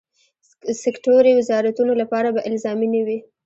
سکټوري وزارتونو لپاره به الزامي نه وي.